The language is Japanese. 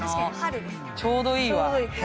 ちょうどいいわ。